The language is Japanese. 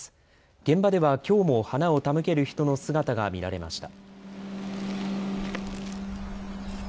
現場ではきょうも花を手向ける人の姿が見られました。